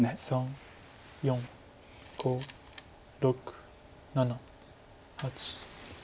４５６７８。